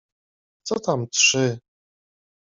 Co tam trzy!